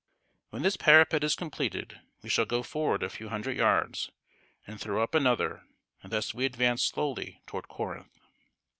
When this parapet is completed, we shall go forward a few hundred yards, and throw up another; and thus we advance slowly toward Corinth.